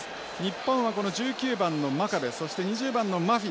日本はこの１９番の真壁そして２０番のマフィ。